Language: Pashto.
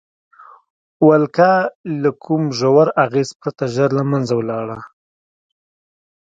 ولکه له کوم ژور اغېز پرته ژر له منځه لاړه.